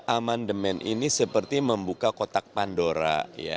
amandemen ini seperti membuka kotak pandora